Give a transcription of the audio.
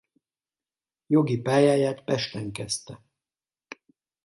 Jogi pályáját Pesten kezdte.